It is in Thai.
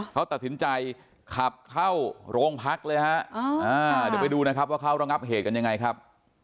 เขาตัดสินใจขับเข้าโรงพักเลยฮะเดี๋ยวไปดูนะครับว่าเขาระงับเหตุกันยังไงครับ